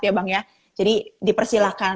ya bang ya jadi dipersilahkan